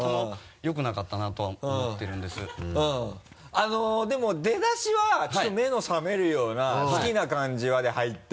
あのでも出だしはちょっと目の覚めるような「好きな漢字は」で入って。